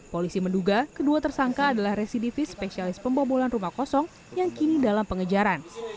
polisi menduga kedua tersangka adalah residivis spesialis pembobolan rumah kosong yang kini dalam pengejaran